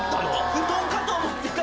布団かと思ってた。